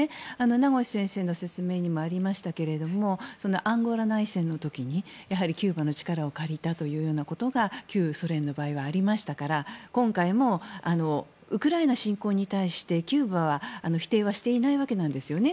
名越先生の説明にもありましたけれどもアンゴラ内戦の時にキューバの力を借りたということが旧ソ連の場合はありましたから今回もウクライナ侵攻に対してキューバは否定はしていないわけなんですよね。